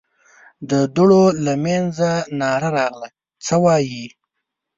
د دوړو له مينځه ناره راغله: څه وايې؟